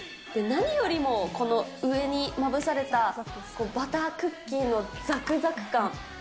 何よりもこの上にまぶされたバタークッキーのざくざく感。